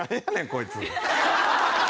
こいつ。